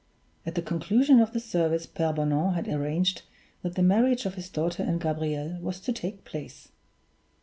At the conclusion of this service Pere Bonan had arranged that the marriage of his daughter and Gabriel was to take place.